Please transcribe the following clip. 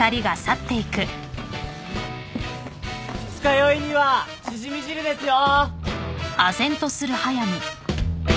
二日酔いにはしじみ汁ですよ！